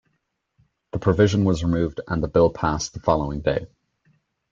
The provision was removed, and the bill passed the following day.